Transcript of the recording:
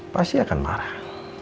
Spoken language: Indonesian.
pasti akan marah